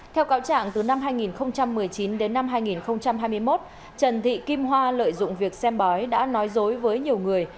theo cáo trạng từ năm hai nghìn một mươi chín đến năm hai nghìn hai mươi một trần thị kim hoa lợi dụng việc xem bói đã nói dối với nhiều người